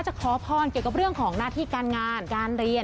ขอพรเกี่ยวกับเรื่องของหน้าที่การงานการเรียน